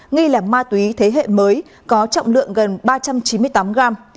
nghi là ma túy thế hệ mới có trọng lượng gần ba trăm chín mươi tám gram